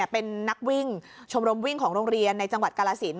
เป็นนักวิ่งชมรมวิ่งของโรงเรียนในจังหวัดกาลสิน